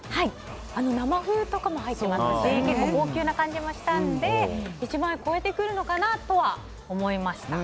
生麩とかも入っていますし結構、高級な感じもしたので１万円を超えてくるのかなとは思いました。